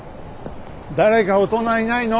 誰か大人いないの？